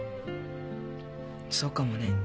そうかもね。